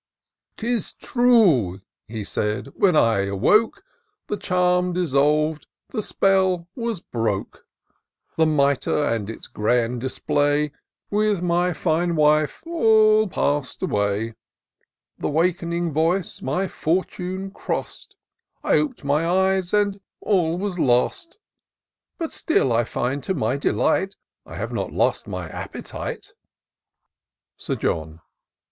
" 'Tis true," he said, " when I awoke, The charm dissolv'd, the spell was broke ; The mitre and its grand display, With my fine wife, all pass'd away : Th' awak'ning voice my fortune cross'd ; I op'd my eyes, and all was lost ;— But still I find, to my delight, I have not lost my appetite." Sir John.